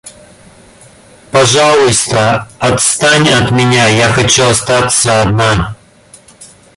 Пожалуйста, отстань от меня, я хочу остаться одна.